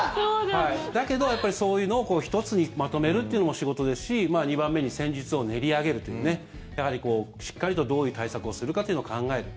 だけど、そういうのを一つにまとめるっていうのも仕事ですし２番目に戦術を練り上げるというねやはりしっかりとどういう対策をするかというのを考える。